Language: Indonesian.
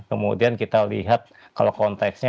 kemudian kita lihat kalau konteksnya